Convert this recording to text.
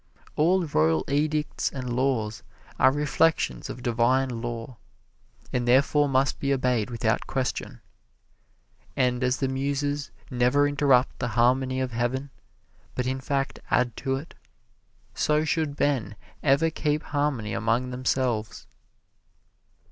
All royal edicts and laws are reflections of divine law, and therefore must be obeyed without question. And as the Muses never interrupt the harmony of Heaven, but in fact add to it, so should men ever keep harmony among themselves.